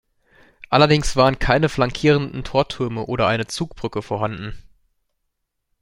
Allerdings waren keine flankierenden Tortürme oder eine Zugbrücke vorhanden.